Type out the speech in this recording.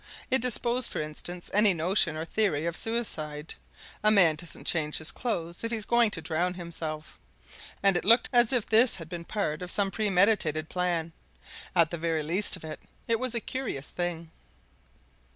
It disposed, for instance, of any notion or theory of suicide. A man doesn't change his clothes if he's going to drown himself. And it looked as if this had been part of some premeditated plan: at the very least of it, it was a curious thing.